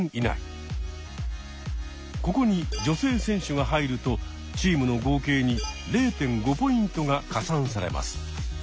ここに女性選手が入るとチームの合計に０．５ポイントが加算されます。